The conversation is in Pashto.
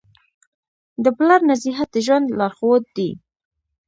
د پلار نصیحت د ژوند لارښود دی.